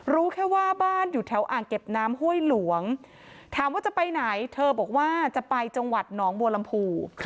รู้แค่ว่าบ้านอยู่แถวอ่างเก็บน้ำห้วยหลวงถามว่าจะไปไหนเธอบอกว่าจะไปจังหวัดหนองบัวลำพู